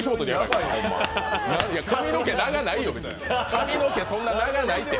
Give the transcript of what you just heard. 髪の毛、そんな長ないて。